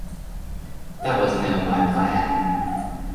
That was never my plan.